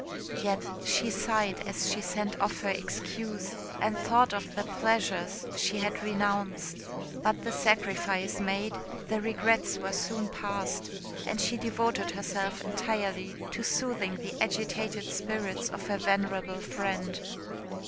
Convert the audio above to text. Yet she sighed as she sent off her excuse, and thought of the pleasures she had renounced. But the sacrifice made, the regrets were soon past; and she devoted herself entirely to soothing the agitated spirits of her venerable friend.